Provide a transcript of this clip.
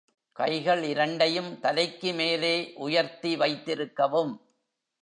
கைகள் இரண்டையும் தலைக்கு மேலே உயர்த்தி வைத்திருக்கவும்.